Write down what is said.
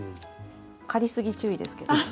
刈りすぎ注意ですけどね。